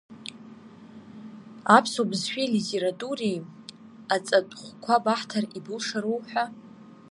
Аԥсуа бызшәеи алитературеи аҵатәхәқәа баҳҭар, ибылшару ҳәа.